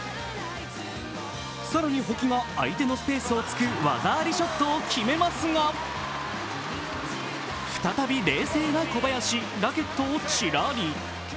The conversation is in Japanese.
更に、保木が相手のスペースを突く技ありショットを決めますが、再び冷静な小林ラケットをチラリ。